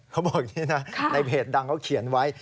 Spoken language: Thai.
เขาบอกอย่างนี้นะในเพจดังเขาเขียนไว้